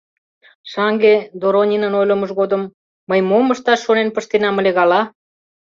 Шаҥге, Доронинын ойлымыж годым, мый мом ышташ шонен пыштенам ыле гала?..